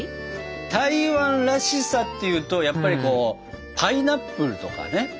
台湾らしさっていうとやっぱりこうパイナップルとかね。